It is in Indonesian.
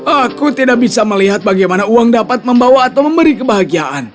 aku tidak bisa melihat bagaimana uang dapat membawa atau memberi kebahagiaan